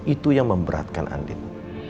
itu yang memberatkan andin